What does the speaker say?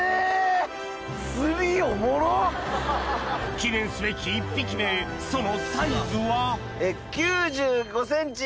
記念すべき１匹目そのサイズは？